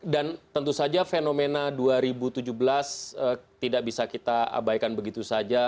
dan tentu saja fenomena dua ribu tujuh belas tidak bisa kita abaikan begitu saja